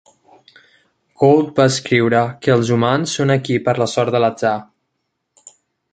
Gould va escriure que els humans són aquí per la sort de l'atzar.